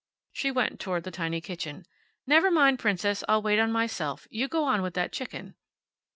She went toward the tiny kitchen. "Never mind, Princess. I'll wait on myself. You go on with that chicken."